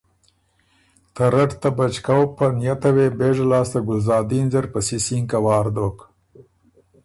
ته رټ ته بچکؤ په نئته وې بېژه لاسته ګلزادین زر په سِسِینکه وار دوک